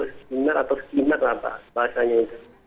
skimit atau skimit apa bahasanya itu